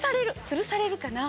「つるされる」かな。